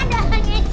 aduh aduh aduh